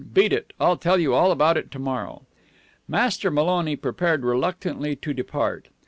"Beat it. I'll tell you all about it to morrow." Master Maloney prepared reluctantly to depart.